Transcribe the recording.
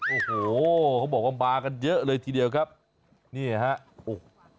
โอ้โหเขาบอกว่ามากันเยอะเลยทีเดียวครับนี่ฮะโอ้โห